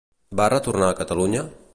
Va retornar a Catalunya?